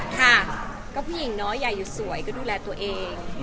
ใช่คือพี่หญิงเนอะอยากอยู่สวยก็ดูแลตัวเอง